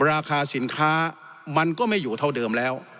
ราคาสินค้ามันก็ไม่อยู่เท่าเดิมแล้ว